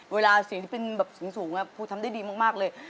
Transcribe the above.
เวลาสิ่งที่เป็นแบบสิ่งสูงพูดทำได้ดีมากเลย